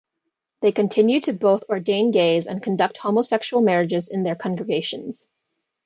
They continue to both ordain gays and conduct homosexual marriages in their congregations.